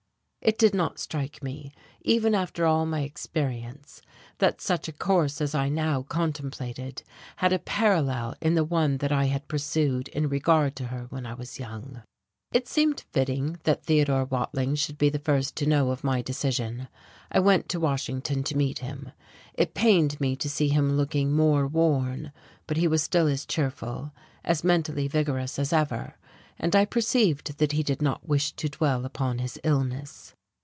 It did not strike me even after all my experience that such a course as I now contemplated had a parallel in the one that I had pursued in regard to her when I was young. It seemed fitting that Theodore Watling should be the first to know of my decision. I went to Washington to meet him. It pained me to see him looking more worn, but he was still as cheerful, as mentally vigorous as ever, and I perceived that he did not wish to dwell upon his illness.